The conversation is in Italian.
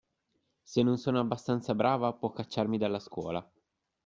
Se non sono abbastanza brava, può cacciarmi dalla scuola.